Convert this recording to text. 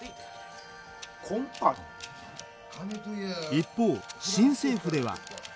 一方新政府では。